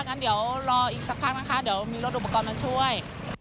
งั้นเดี๋ยวรออีกสักพักนะคะเดี๋ยวมีรถอุปกรณ์มาช่วย